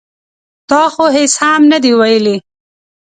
ـ تا خو هېڅ هم نه دي ویلي.